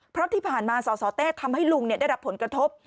เพราะที่ผ่านมาสสเต้ทำให้ลุงได้รับผลกระทบ